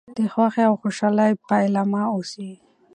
د خوښۍ او خوشحالی پيلامه اوسي .